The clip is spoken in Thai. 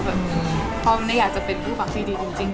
พอมันน่ะอยากจะเป็นผู้ฟังที่ดีจริง